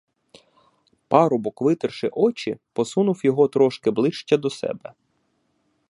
Парубок, витерши очі, підсунув його трошки ближче до себе.